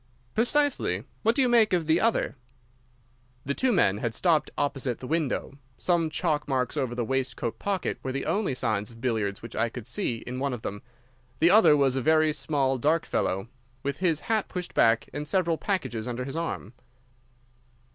"Precisely. What do you make of the other?" The two men had stopped opposite the window. Some chalk marks over the waistcoat pocket were the only signs of billiards which I could see in one of them. The other was a very small, dark fellow, with his hat pushed back and several packages under his arm.